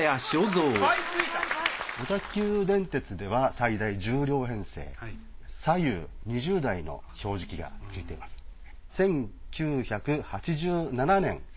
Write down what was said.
小田急電鉄では最大１０両編成左右２０台の表示器がついています。